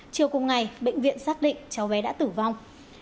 chiều cùng ngày bệnh viện xác định cháu bé đã tử vong